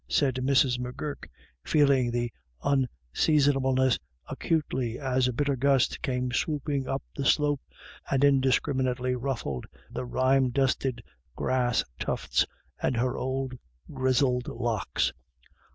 said Mrs. M'Gurk, feeling the unseasonableness acutely, as a bitter gust came swooping up the slope, and indis 298 IRISH IDYLLS. criminatingly ruffled the rime dusted grass tufts and her own grizzled locks.